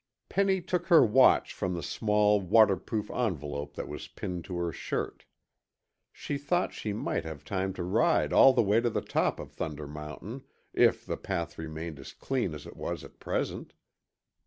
Penny took her watch from the small waterproof envelope that was pinned to her shirt. She thought she might have time to ride all the way to the top of Thunder Mountain if the path remained as clean as it was at present.